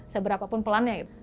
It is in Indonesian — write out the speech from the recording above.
seberapa pun pelannya gitu